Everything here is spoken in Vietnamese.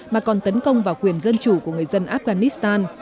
mà còn tấn công vào quyền dân chủ của người dân afghanistan